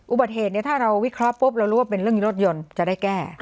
อุบัติเหตุถ้าเราวิเคราะห์ปุ๊บเรารู้ว่าเป็นเรื่องนี้รถยนต์จะได้แก้